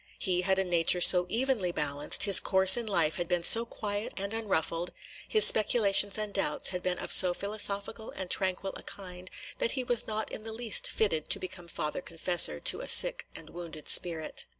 He had a nature so evenly balanced, his course in life had been so quiet and unruffled, his speculations and doubts had been of so philosophical and tranquil a kind, that he was not in the least fitted to become father confessor to a sick and wounded spirit.